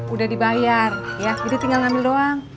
udah dibayar ya jadi tinggal ngambil doang